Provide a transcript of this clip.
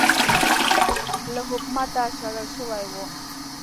له حکومته شړل شوی و